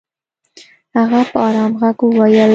هغه په ارام ږغ وويل.